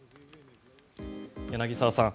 柳澤さん